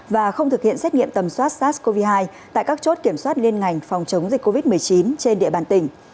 và không thực hiện xét nghiệm tầm soát sars cov hai tại các chốt kiểm soát liên ngành phòng chống dịch covid một mươi chín trên địa bàn tỉnh